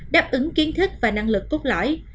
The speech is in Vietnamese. đáp ứng kiến thức và năng lực cốt lõi